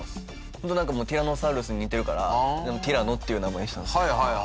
ホントなんかティラノサウルスに似てるからティラノっていう名前にしたんですよ。